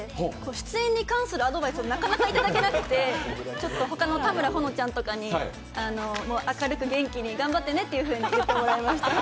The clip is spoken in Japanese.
出演に関するアドバイスをなかなかいただけなくて他の田村保乃ちゃんとかに明るく元気に頑張ってねとか言ってもらえました。